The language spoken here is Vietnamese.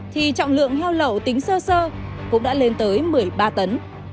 thì trọng lượng heo lậu tính sơ sơ cũng đã lên tới một mươi ba tấn